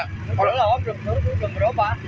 belum belum surut belum berubah